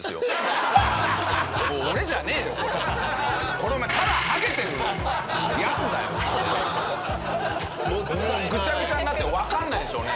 これお前ぐちゃぐちゃになってわからないんでしょうね。